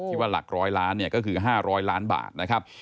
ว่าหลักร้อยล้านเนี่ยก็คือ๕๐๐ล้านบาทนะครับ